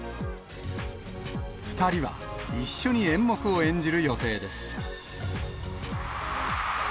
２人は一緒に演目を演じる予定です。